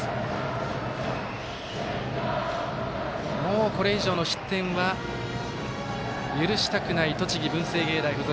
もう、これ以上の失点は許したくない栃木、文星芸大付属。